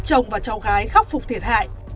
chồng và cháu gái khắc phục thiệt hại